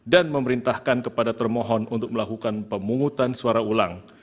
dan memerintahkan kepada termohon untuk melakukan pemungutan suara ulang